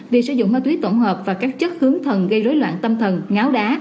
việc sử dụng ma túy tổng hợp và các chất hướng thần gây rối loạn tâm thần ngáo đá